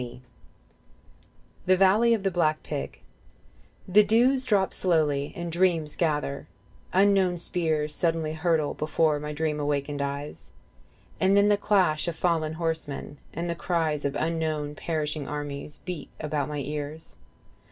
34 THE VALLEY OF THE BLACK PIG The dews drop slowly and dreams gather: unknown spears Suddenly hurtle before my dream awakened eyes, And then the clash of fallen horsemen and the cries Of unknown perishing armies beat about my ears.